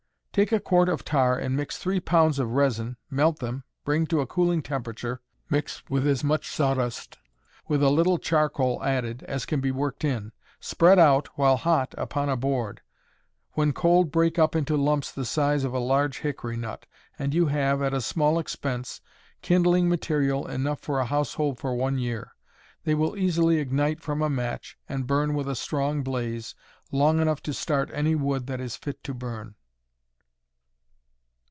_ Take a quart of tar and three pounds of resin, melt them, bring to a cooling temperature, mix with as much sawdust, with a little charcoal added, as can be worked in; spread out while hot upon a board, when cold break up into lumps of the size of a large hickory nut, and you have, at a small expense, kindling material enough for a household for one year. They will easily ignite from a match and burn with a strong blaze, long enough to start any wood that is fit to burn.